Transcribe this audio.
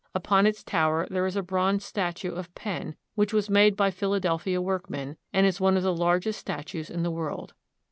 Upon its tower there is a bronze statue of Penn which was made by Philadelphia workmen, and is one of the largest statues in the world.